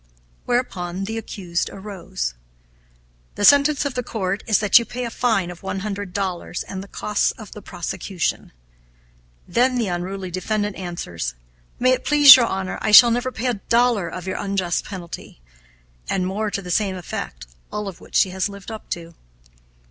Whereupon the accused arose. "The sentence of the court is that you pay a fine of one hundred dollars and the costs of the prosecution." Then the unruly defendant answers: "May it please your Honor, I shall never pay a dollar of your unjust penalty," and more to the same effect, all of which she has lived up to.